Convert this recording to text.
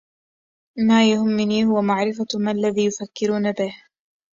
ما يهمني هو معرفة ما الذي يفكرون به.